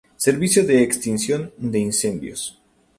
Servicio de extinción de incendios.